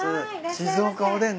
静岡おでんね。